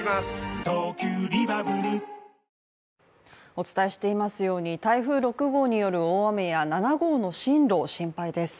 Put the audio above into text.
お伝えしていますように台風６号による大雨や７号の進路、心配です。